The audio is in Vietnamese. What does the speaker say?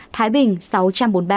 thái bình sáu trăm bốn mươi ba